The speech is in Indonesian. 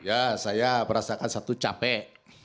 ya saya merasakan satu capek